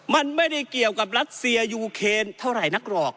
มันไม่ได้เกี่ยวกับรัสเซียยูเคนเท่าไหร่นักหรอก